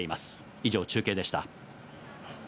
以上、中継でした。